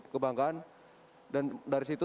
kebanggaan dan dari situ